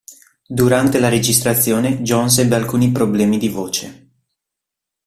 Durante la registrazione Johns ebbe alcuni problemi di voce.